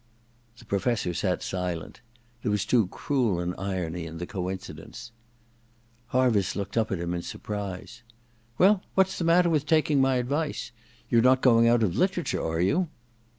The Professor sat silent : there was too cruel an irony in the coincidence. Harviss looked up at him in surprise. •Well, what's the matter with taking my advice — ^you're not going out of literature, are you